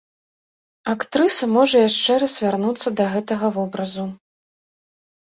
Актрыса можа яшчэ раз вярнуцца да гэтага вобразу.